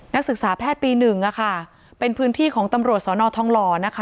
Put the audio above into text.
นักศึกษาแพทย์ปี๑เป็นพื้นที่ของตำรวจสอนอทองหล่อนะคะ